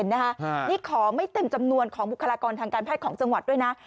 นี่ขอไม่เต็มจำนวนของบุคลากรทางการแพทย์ของจังหวัดด้วยนะ